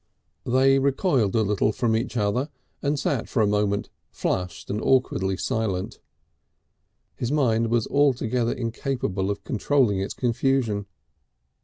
They recoiled a little from each other and sat for a moment, flushed and awkwardly silent. His mind was altogether incapable of controlling its confusion.